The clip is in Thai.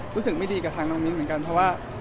รู้สึกไม่ดีกับทางน้องมิ้นเหมือนกันเพราะว่า